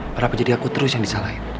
kenapa jadi aku terus yang disalahin